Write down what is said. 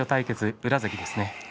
宇良関ですね。